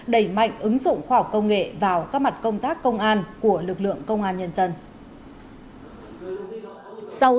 đẩy mạnh ứng dụng khoa học công nghệ vào các mặt công tác công an của lực lượng công an nhân dân